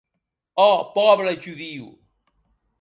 Ò, pòble judiu!